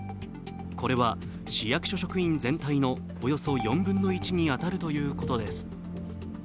これは市役所職員全体のおよそ４分の１に当たるということです。